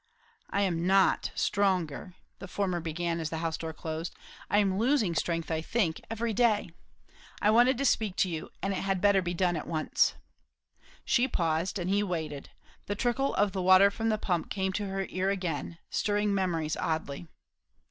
"I am not stronger," the former began as the house door closed. "I am losing strength, I think, every day. I wanted to speak to you; and it had better be done at once." She paused, and he waited. The trickle of the water from the pump came to her ear again, stirring memories oddly.